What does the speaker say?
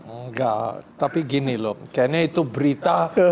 enggak tapi gini loh kayaknya itu berita